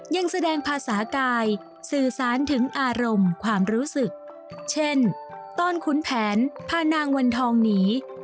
ยังแสดงภาษากายสื่อสารถึงอารมณ์ความรู้สึกเช่นตอนขุนแผนพานางวันทองหนี